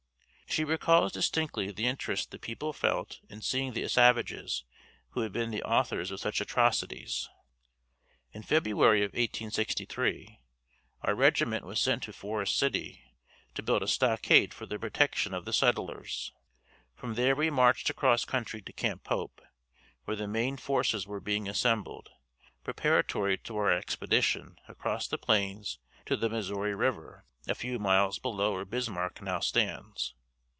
She recalls distinctly the interest the people felt in seeing the savages who had been the authors of such atrocities. In February of 1863, our regiment was sent to Forest City to build a stockade for the protection of the settlers. From there we marched across country to Camp Pope, where the main forces were being assembled, preparatory to our expedition across the plains to the Missouri river a few miles below where Bismarck now stands.